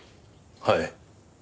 はい。